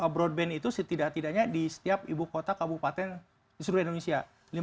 broadband itu setidak tidaknya di setiap ibu kota kabupaten di seluruh indonesia